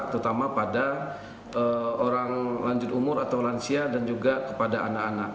terutama pada orang lanjut umur atau lansia dan juga kepada anak anak